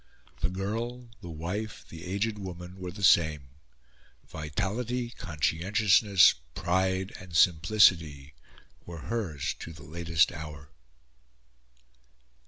The girl, the wife, the aged woman, were the same: vitality, conscientiousness, pride, and simplicity were hers to the latest hour.